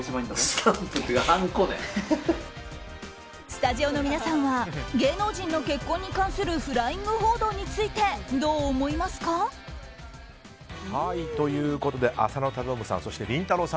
スタジオの皆さんは芸能人の結婚に関するフライング報道についてどう思いますか？ということで浅野忠信さんそしてりんたろー。